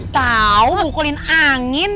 tau mukulin angin